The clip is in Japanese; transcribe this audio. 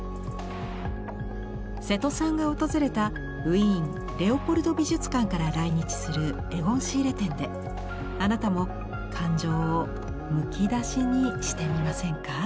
瀬戸さんが訪れたウィーンレオポルド美術館から来日するエゴン・シーレ展であなたも感情をむき出しにしてみませんか。